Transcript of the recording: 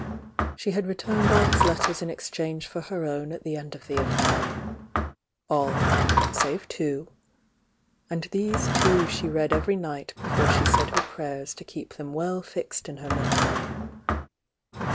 She had returned all his letters in exchange for her own at the end of the affair,— all, save two, —and these two she read every night before she said her prayers to keep them well fixed in her memory.